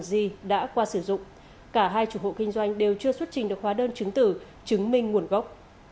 di đã qua sử dụng cả hai chủ hộ kinh doanh đều chưa xuất trình được hóa đơn chứng tử chứng minh nguồn gốc